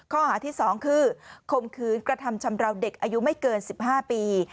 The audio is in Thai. ข้อหาที่๒คือคมคืนกระทำชำราวเด็กอายุไม่เกิน๑๕ปี